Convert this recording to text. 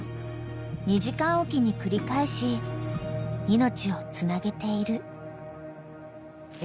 ［２時間おきに繰り返し命をつなげている］